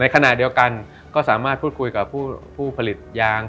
ขณะเดียวกันก็สามารถพูดคุยกับผู้ผลิตยาง